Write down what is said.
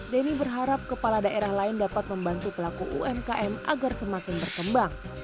denny berharap kepala daerah lain dapat membantu pelaku umkm agar semakin berkembang